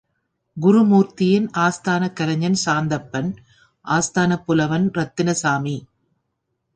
குருமூர்த்தியின் ஆஸ்தானக் கலைஞன் சாந்தப்பன் ஆஸ்தானப் புலவன் ரத்தினசாமி.